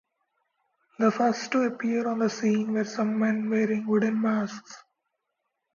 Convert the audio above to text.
The first to appear on the scene were some men wearing wooden masks.